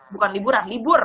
bukan liburan libur